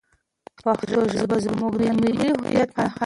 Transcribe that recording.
پښتو ژبه زموږ د ملي هویت نښه ده.